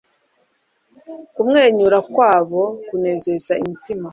Kumwenyura kwabo kunezaza imitima